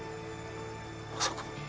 まさか。